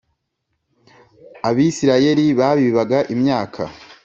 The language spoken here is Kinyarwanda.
Abisirayeli babibaga imyaka